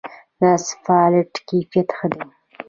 د اسفالټ کیفیت ښه دی؟